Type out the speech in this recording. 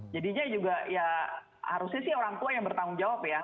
jadinya juga ya harusnya sih orang tua yang bertanggung jawab ya